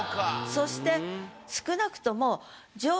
そして少なくとも。